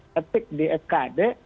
tetik di fkd